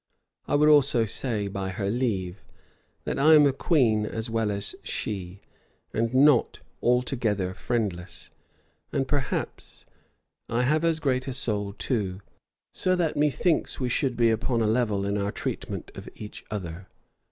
I would also say, by her leave, that I am a queen as well as she, and not altogether friendless: and, perhaps, I have as great a soul too; so that methinks we should be upon a level in our treatment of each other.